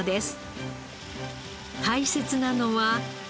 大切なのは。